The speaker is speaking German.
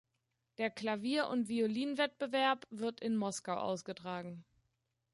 Der Klavier- und Violinwettbewerb wird in Moskau ausgetragen.